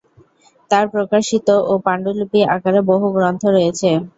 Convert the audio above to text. তাঁর প্রকাশিত ও পাণ্ডুলিপি আকারে বহু গ্রন্থ রয়েছে।